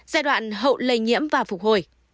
giai đoạn hậu lây nhiễm và phục hồi